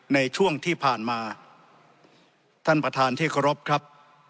ในช่วงที่ผ่านมาท่านประธานที่เคารพครับ